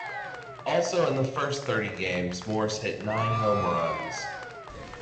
Also, in the first thirty games, Morse hit nine home runs.